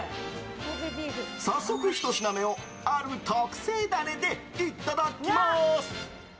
早速、１品目をある特製ダレでいただきます。